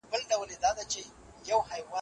ما په ماشومتوب کې په نهر کې مړي لیدلي وو.